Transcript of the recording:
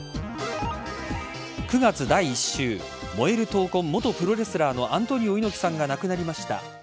９月第１週燃える闘魂、元プロレスラーのアントニオ猪木さんが亡くなりました。